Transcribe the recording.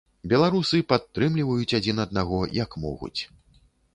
Беларусы падтрымліваюць адзін аднаго, як могуць.